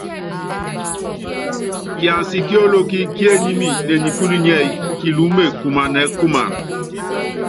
Kiansi ki olokí kíényími ne nikúlu nḭ́ɛ́yí, Kiluúme kumanɛɛ́ kuman.